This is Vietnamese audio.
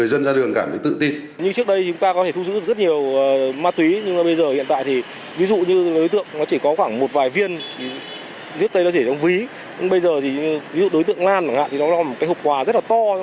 trước đây nó chỉ có ví nhưng bây giờ thì ví dụ đối tượng lan thì nó là một cái hộp quà rất là to